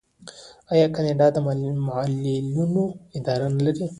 آیا کاناډا د معلولینو اداره نلري؟